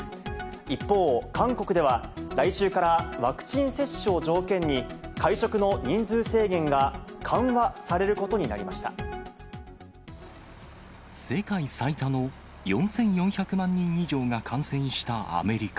一方、韓国では、来週からワクチン接種を条件に、会食の人数制限が緩和されること世界最多の４４００万人以上が感染したアメリカ。